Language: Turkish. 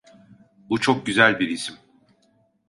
Bu çok güzel bir isim.